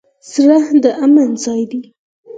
زړه د امن ځای دی.